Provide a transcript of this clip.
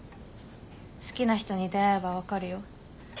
「好きな人に出会えば分かるよ」